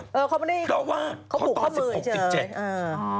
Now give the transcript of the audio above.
เพราะว่าเขาตอน๑๖๑๗